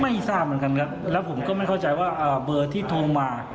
ไม่ทราบเหมือนกันครับแล้วผมก็ไม่เข้าใจว่าเบอร์ที่โทรมา